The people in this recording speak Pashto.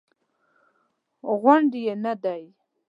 غونډ یې نه دی.